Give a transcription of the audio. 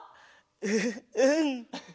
ううん。